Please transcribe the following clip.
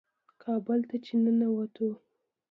کابل ته چې ننوتو.